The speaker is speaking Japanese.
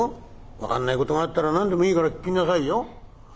分かんないことがあったら何でもいいから聞きなさいよ。